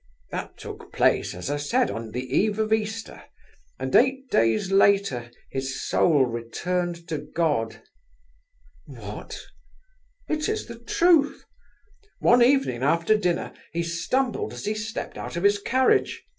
That took place as I said on the eve of Easter, and eight days later his soul returned to God." "What?" "It is the truth. One evening after dinner he stumbled as he stepped out of his carriage.